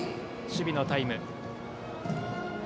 守備のタイム。